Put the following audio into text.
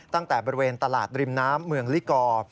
ตั้งแต่บริเวณตลาดริมน้ำเมืองลิกอร์